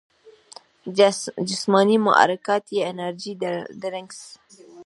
جسماني محرکات ئې انرجي ډرنکس ،